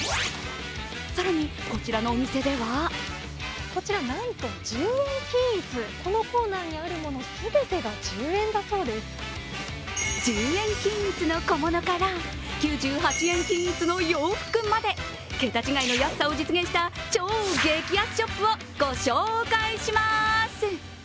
更に、こちらのお店では１０円均一の小物から９８円均一の洋服まで桁違いの安さを実現した超激安ショップをご紹介します。